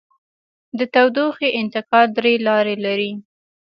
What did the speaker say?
د تودوخې انتقال درې لارې لري.